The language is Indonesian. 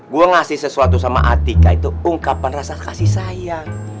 gue ngasih sesuatu sama atika itu ungkapan rasa kasih sayang